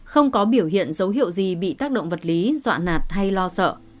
không có biểu hiện dấu hiệu gì bị tác động vật lý dọa nạt hay lo sợ